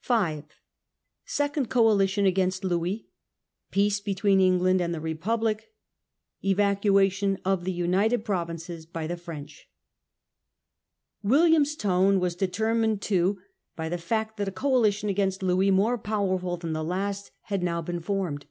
5. Second Coalition against Louis. Peace between England and the Republic. Evacuation of the United Provinces by the French. William's tone was determined too by the fact that a coalition against Louis, more powerful than the last, had now been formed.